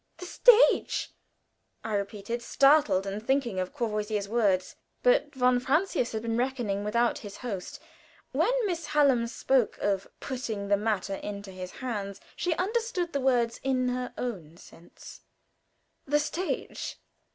"The stage!" I repeated, startled, and thinking of Courvoisier's words. But von Francius had been reckoning without his host. When Miss Hallam spoke of "putting the matter into his hands," she understood the words in her own sense. "The stage!"